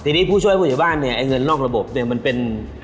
ทีนี้ผู้ช่วยผู้ใหญ่บ้านเนี่ยไอ้เงินนอกระบบเนี่ยมันเป็น